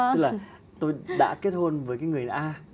tức là tôi đã kết hôn với cái người a